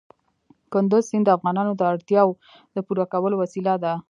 کندز سیند د افغانانو د اړتیاوو د پوره کولو وسیله ده.